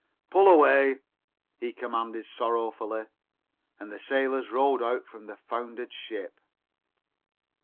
"Pull away," he commanded sorrowfully, and the sailors rowed out from the foundered ship.